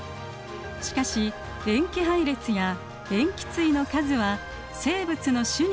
しかし塩基配列や塩基対の数は生物の種によって異なっています。